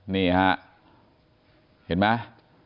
นี่ฮะเห็นไหม